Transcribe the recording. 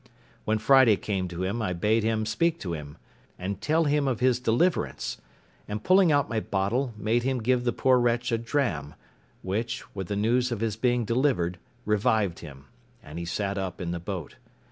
When Friday came to him I bade him speak to him, and tell him of his deliverance; and pulling out my bottle, made him give the poor wretch a dram, which, with the news of his being delivered, revived him, and he sat up in the boat.